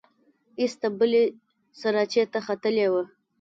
ایسته بلې سراچې ته ختلې وه.